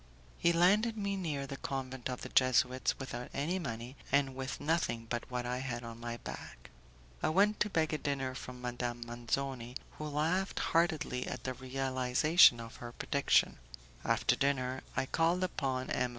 He landed me near the convent of the Jesuits, without any money, and with nothing but what I had on my back. I went to beg a dinner from Madame Manzoni, who laughed heartily at the realization of her prediction. After dinner I called upon M.